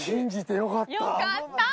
よかったー！